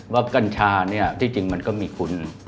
กัญชาเนี่ยที่จริงมันก็มีคุณ